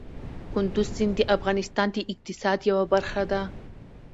کندز سیند د افغانستان د اقتصاد یوه برخه ده.